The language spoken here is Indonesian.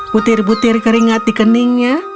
butir butir keringat dikeningnya